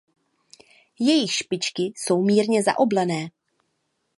Jejich špičky jsou mírně zaoblené.